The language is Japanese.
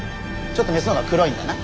ちょっとメスの方が黒いんだな。